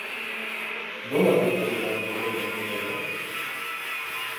Nola ailegatu da egoera honetara?